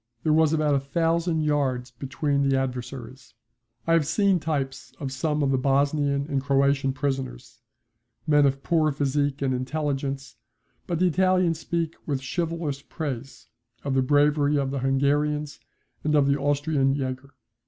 There was about a thousand yards between the adversaries. I have seen types of some of the Bosnian and Croatian prisoners, men of poor physique and intelligence, but the Italians speak with chivalrous praise of the bravery of the Hungarians and of the Austrian Jaeger.